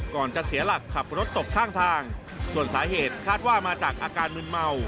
ก่อนจะเสียหลักขับรถตกข้างทางส่วนสาเหตุคาดว่ามาจากอาการมึนเมา